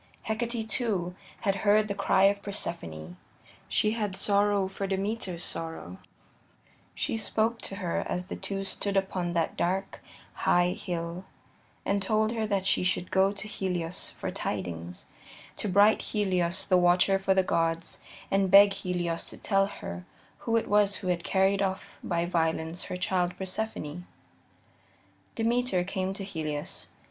Hecate, too, had heard the cry of Persephone; she had sorrow for Demeter's sorrow: she spoke to her as the two stood upon that dark, high hill, and told her that she should go to Helios for tidings to bright Helios, the watcher for the gods, and beg Helios to tell her who it was who had carried off by violence her child Persephone. Demeter came to Helios.